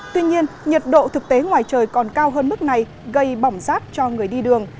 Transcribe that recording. tuy nhiên nhiệt độ thực tế ngoài trời còn cao hơn mức này gây bỏng rát cho người đi đường